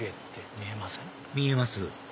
見えます